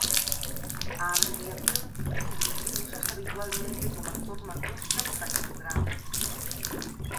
A abreviación quilo úsase habitualmente coma forma curta para quilogramo.